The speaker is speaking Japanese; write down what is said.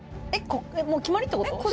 もう決まりって事？